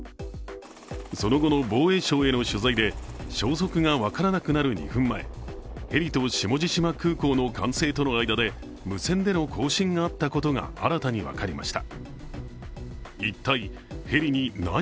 その後の防衛省への取材で、消息が分からなくなる２分前、ヘリと下地島空港の管制との間で無線での交信があったことが新たに分かりました。